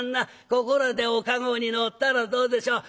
ここらでお駕籠に乗ったらどうでしょう」